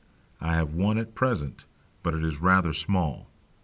I have one at present, but it is rather small.